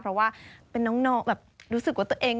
เพราะว่าเป็นน้องแบบรู้สึกว่าตัวเอง